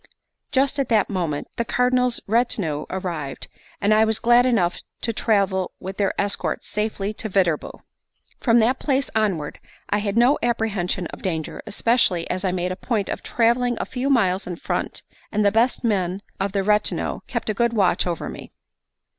Just at that moment the Cardinal's retinue arrived, and I was glad enough to travel with their escort safely to Viterbo. From that place onward I had no apprehension of danger, especially as I made a point of travelling a few miles in front, and the best men of the retinue kept a good watch over me.